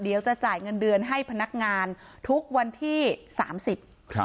เพราะไม่มีเงินไปกินหรูอยู่สบายแบบสร้างภาพ